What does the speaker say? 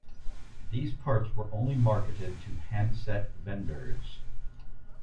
These parts were only marketed to handset vendors.